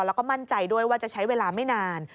แล้วก็มั่นใจด้วยว่าจะใช้เวลาไม่นาน